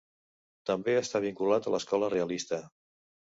També està vinculat a l'escola realista.